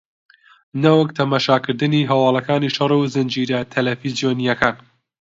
نەوەک تەماشاکردنی هەواڵەکانی شەڕ و زنجیرە تەلەفزیۆنییەکان